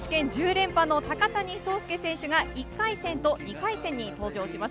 日本選手権１０連覇の高谷惣亮選手が１回戦と２回戦に登場します。